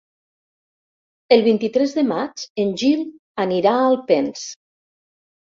El vint-i-tres de maig en Gil anirà a Alpens.